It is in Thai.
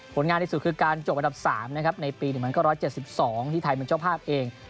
งานที่สุดคือการจบอันดับ๓นะครับในปี๑๙๗๒ที่ไทยเป็นเจ้าภาพเอง